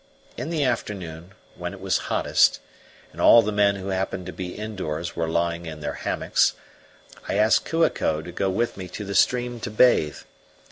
In the afternoon, when it was hottest, and all the men who happened to be indoors were lying in their hammocks, I asked Kua ko to go with me to the stream to bathe.